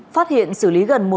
phát hiện xử lý gần một đối tượng